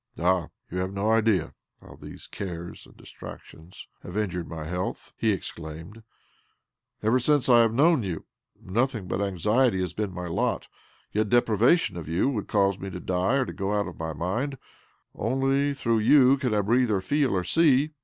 ' 'Ah, you have no idea how these cares and distractions have injured m,y health 1 " he exclaimed. ' Ever since I have known you^ inothing but ajixiety has been my lot. Yet deprivation of |3^|U w;o,uld pause me to 224 OBLOMOV die or to go out of my mind. Only through you can I breathe or feel or see.